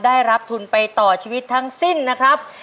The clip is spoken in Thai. ได้รับทุนไปต่อชีวิตทั้งสิ้นนะครับ